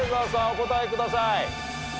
お答えください。